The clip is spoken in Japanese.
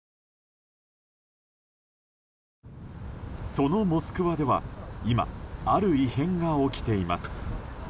そのモスクワでは、今ある異変が起きています。